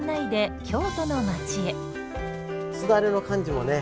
すだれの感じもね